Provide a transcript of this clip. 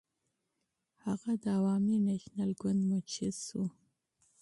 هغه د عوامي نېشنل ګوند منشي شو.